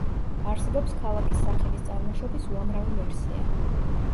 არსებობს ქალაქის სახელის წარმოშობის უამრავი ვერსია.